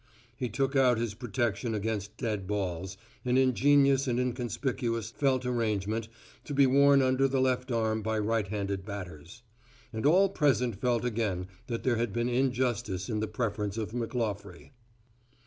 He took out his protection against dead balls, an ingenious and inconspicuous felt arrangement to be worn under the left arm by right handed batters. And all present felt again that there had been injustice in the preference of McClaughrey.